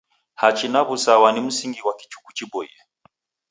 Hachi na w'usawa ni msingi ghwa kichuku chiboie.